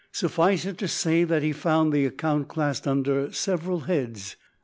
Suffice it to say that he found the account classed under several heads.